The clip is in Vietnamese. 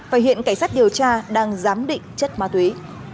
và hiện cảnh sát điều tra đang giám định chất ma túy